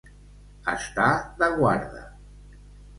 Estar de guarda.